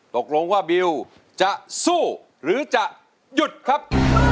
ตกลงว่าบิวจะสู้หรือจะหยุดครับ